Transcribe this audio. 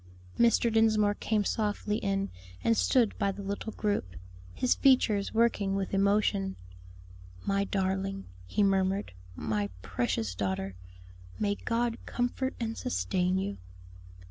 Mr. Dinsmore came softly in and stood by the little group, his features working with emotion. "My darling," he murmured, "my precious daughter, may God comfort and sustain you."